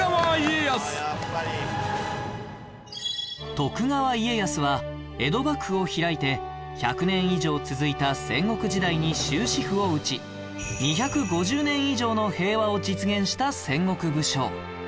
徳川家康は江戸幕府を開いて１００年以上続いた戦国時代に終止符を打ち２５０年以上の平和を実現した戦国武将